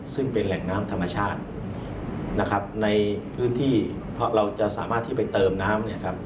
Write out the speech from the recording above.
ซึ่งเป็นแหล่งน้ำธรรมชาติในพื้นที่เราจะสามารถที่ไปเติมน้ำ